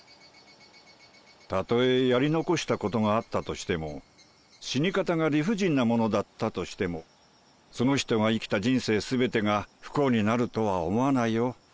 たとえやり残したことがあったとしても死に方が理不尽なものだったとしてもその人が生きた人生全てが不幸になるとは思わないよ俺は。